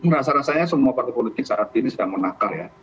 rasa rasanya semua partai politik saat ini sedang menakar ya